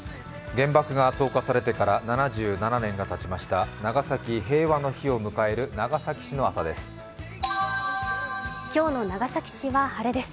原爆が投下されてから７７年がたちました長崎平和の日を迎える長崎市の朝です。